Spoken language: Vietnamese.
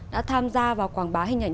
đã tham gia và quảng bá hình ảnh